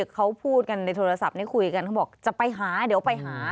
เขาพูดกันในโทรศัพท์นี้คุยกันเขาบอกจะไปหาเดี๋ยวไปหา